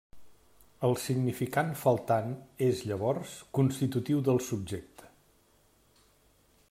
El significant faltant és, llavors, constitutiu del subjecte.